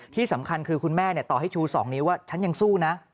ที่สำคัญคือคุณแม่ต่อให้ชู๒นิ้วว่าฉันยังสู้นะ